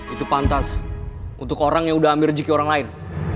itu pantas untuk orang yang udah ambil rezeki orang lain